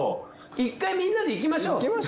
１回みんなで行きましょう。